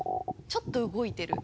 ちょっとうごいてる。